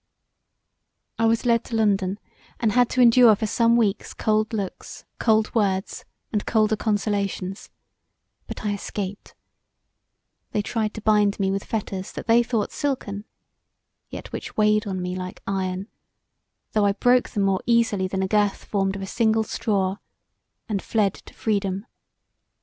I was led to London, and had to endure for some weeks cold looks, cold words and colder consolations: but I escaped; they tried to bind me with fetters that they thought silken, yet which weighed on me like iron, although I broke them more easily than a girth formed of a single straw and fled to freedom.